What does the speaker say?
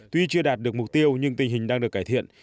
tuy chưa đạt được mục tiêu nhưng tình hình đang được cải thiện